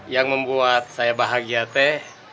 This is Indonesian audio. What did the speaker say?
yang membuat saya bahagia teh